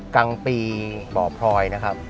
กลางปีบ่อพลอยนะครับ